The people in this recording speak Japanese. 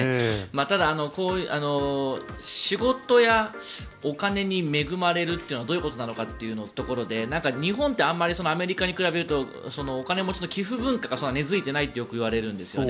ただ、仕事やお金に恵まれるというのはどういうことなのかというところで日本ってアメリカに比べるとお金持ちの寄付文化が根付いていないとよく言われるんですよね。